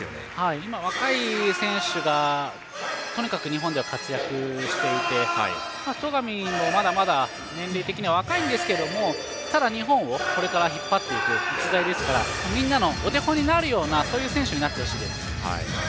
今、若い選手がとにかく日本では活躍していて戸上もまだまだ年齢的には若いんですけどただ、日本をこれから引っ張っていく逸材ですからみんなのお手本になるようなそんな選手になってほしいです。